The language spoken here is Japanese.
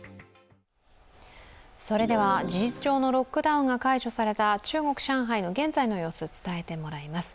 それでは、事実上のロックダウンが解除された中国・上海の現在の様子を伝えてもらいます。